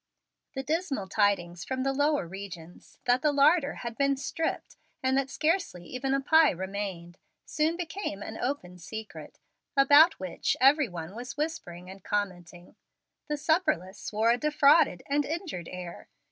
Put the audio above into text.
The dismal tidings from the lower regions, that the larder had been stripped and that scarcely even a pie remained, soon became an open secret, about which every one was whispering and commenting. The supperless wore a defrauded and injured air.